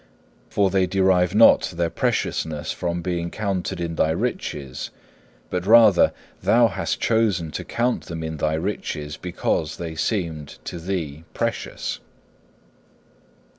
For they derive not their preciousness from being counted in thy riches, but rather thou hast chosen to count them in thy riches because they seemed to thee precious.